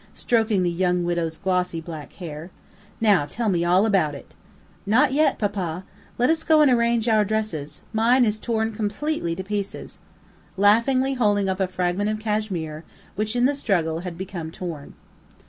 stroking the young widow's glossy black hair. "Now tell me all about it." "Not yet, papa. Let us go and arrange our dresses; mine is torn completely to pieces," laughingly holding up a fragment of cashmere, which in the struggle had become torn.